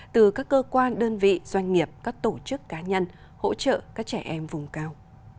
từ các cơ quan đơn vị doanh nghiệp các tổ chức cá nhân hỗ trợ các trẻ em vùng cao